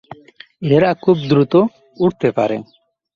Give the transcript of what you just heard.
এরা খুব দ্রুত উড়তে পারে।